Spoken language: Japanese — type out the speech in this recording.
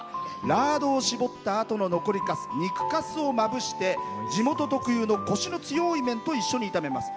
ラードを搾ったあとの残りかす肉かすをまぶして地元特有のコシの強い麺と一緒にいためます。